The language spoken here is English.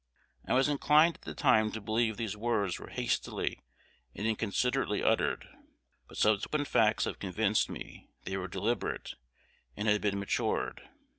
I was inclined at the time to believe these words were hastily and inconsiderately uttered; but subsequent facts have convinced me they were deliberate and had been matured....